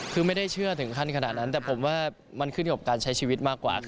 คือไม่ได้เชื่อถึงขั้นขนาดนั้นแต่ผมว่ามันขึ้นอยู่กับการใช้ชีวิตมากกว่า